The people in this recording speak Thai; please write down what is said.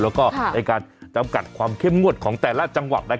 แล้วก็ในการจำกัดความเข้มงวดของแต่ละจังหวัด